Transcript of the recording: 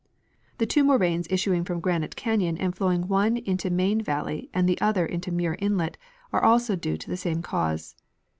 The two moraines issuing from Granite canyon and flowing one into Main valley and the other into Muir inlet are also due to the same cause.